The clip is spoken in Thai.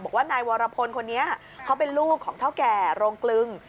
บอกว่านายวรพลคนนี้เขาเป็นลูกของเท่าแก่โรงกลึง